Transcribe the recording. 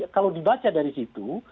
kalau dibaca dari situ